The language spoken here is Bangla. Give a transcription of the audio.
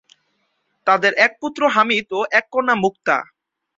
তাঁদের এক পুত্র 'হামিদ' ও এক কন্যা 'মুক্তা'।